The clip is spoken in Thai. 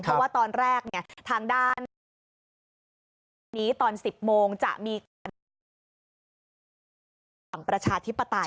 เพราะว่าตอนแรกเนี่ยทางด้านนี้ตอน๑๐โมงจะมีการประชาธิปไตย